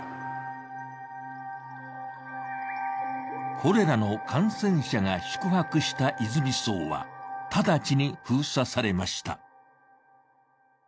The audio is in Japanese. コレラの感染者が宿泊したいづみ荘は直ちに封鎖されました。